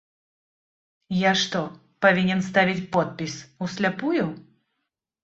Я што, павінен ставіць подпіс усляпую?